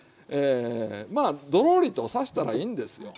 まあドロリとさしたらいいんですよ。